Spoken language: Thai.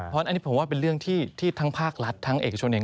เพราะอันนี้ผมว่าเป็นเรื่องที่ทั้งภาครัฐทั้งเอกชนเอง